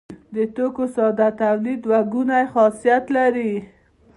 د توکو ساده تولید دوه ګونی خاصیت لري.